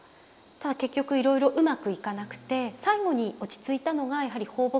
ただ結局いろいろうまくいかなくて最後に落ち着いたのがやはり放牧業でしたね。